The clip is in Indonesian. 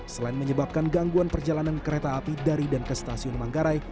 selain menyebabkan gangguan perjalanan kereta api dari dan ke stasiun manggarai